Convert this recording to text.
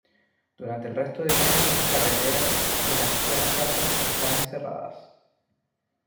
Durante el resto del año las carreteras de las Tierras Altas están cerradas.